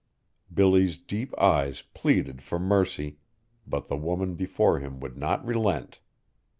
Billy's deep eyes pleaded for mercy, but the woman before him would not relent.